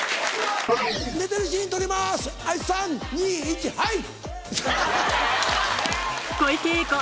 寝てるシーン撮りますはい３・２・１はい！